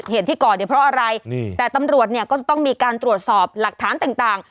เหตุที่ก่อเนี่ยเพราะอะไรแต่ตำรวจเนี่ยก็จะต้องมีการตรวจสอบหลักฐานต่าง